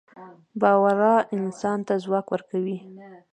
باورانسان ته ځواک ورکوي